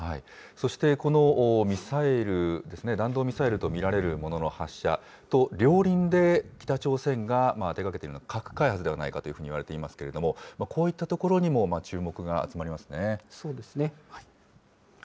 そして、このミサイルですね、弾道ミサイルと見られるものの発射と両輪で北朝鮮が手がけているのは核開発ではないかといわれていますけれども、こういったとこそうですね。